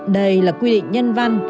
đây là quy định nhân văn